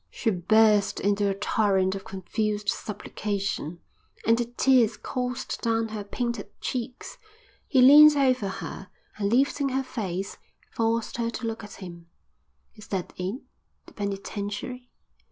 She burst into a torrent of confused supplication and the tears coursed down her painted cheeks. He leaned over her and, lifting her face, forced her to look at him. "Is that it, the penitentiary?"